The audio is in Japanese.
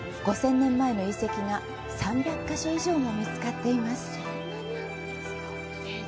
５０００年前の遺跡が３００か所以上も見つかっています。